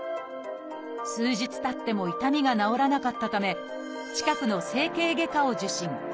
数日たっても痛みが治らなかったため近くの整形外科を受診。